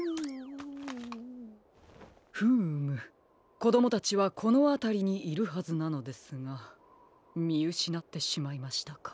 フームこどもたちはこのあたりにいるはずなのですがみうしなってしまいましたか。